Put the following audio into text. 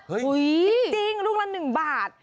จริงลูกเท่าละหนึ่งบาท